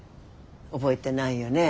覚えてないよね？